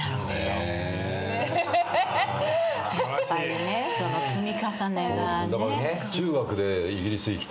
やっぱりねその積み重ねがね。